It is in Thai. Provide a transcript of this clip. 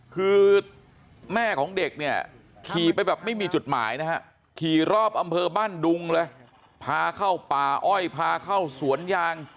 คือแม่ของเด็กเนี่ยขี่ไปแบบไม่มีจุดหมายนะฮะขี่รอบอำเภอบ้านดุงเลยพาเข้าป่าอ้อยพาเข้าสวนยาง